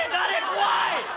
怖い！